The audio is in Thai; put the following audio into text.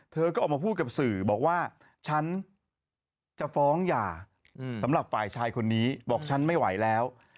เธอก็ออกมาพูดกับสื่อบอกว่าฉันจะฟ้องหย่าสำหรับฝ่ายชายคนนี้บอกฉันไม่ไหวแล้ว